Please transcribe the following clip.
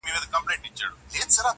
په ځان کي ننوتم «هو» ته چي سجده وکړه~